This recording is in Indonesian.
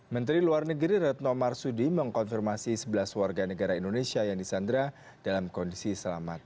menteri luar negeri retno marsudi mengkonfirmasi sebelas warga negara indonesia yang disandra dalam kondisi selamat